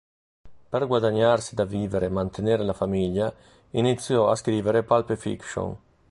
Per guadagnarsi da vivere e mantenere la famiglia iniziò a scrivere "pulp fiction".